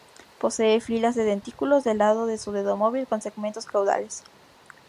Posee filas de dentículos del lado de su dedo móvil con segmentos caudales.